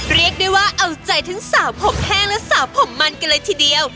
เรียกได้ว่าเอาใจทั้งสาวผมแห้งและสาวผมมันกันเลยทีเดียว